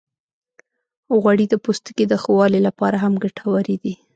غوړې د پوستکي د ښه والي لپاره هم ګټورې دي.